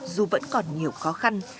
dù vẫn còn nhiều khó khăn